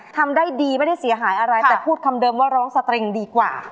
ทำได้ดีไม่ได้เสียหายอะไรแต่พูดคำเดิมว่าร้องสตริงดีกว่า